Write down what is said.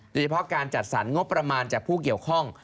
โดยเฉพาะการจัดสรรงบประมาณจากผู้เกี่ยวข้อง